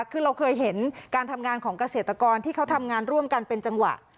คือเราเคยเห็นการทำงานของเกษตรกรที่เขาทำงานร่วมกันเป็นจังหวะ